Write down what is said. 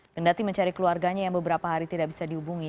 kendati mencari keluarganya yang beberapa hari tidak bisa dihubungi